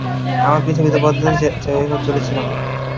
আমরা পৃথিবীকে বদলাতে চলেছিলাম।